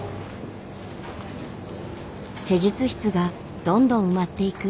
施術室がどんどん埋まっていく。